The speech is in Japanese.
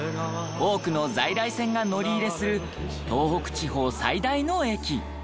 多くの在来線が乗り入れする東北地方最大の駅。